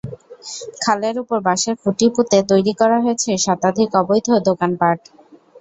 খালের ওপর বাঁশের খুঁটি পুঁতে তৈরি করা হয়েছে শতাধিক অবৈধ দোকানপাট।